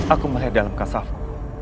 aku melihat dalam kasafku